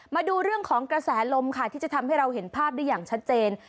มาดูเรื่องของกระแสลมค่ะที่จะทำให้เราเห็นภาพได้อย่างชัดเจน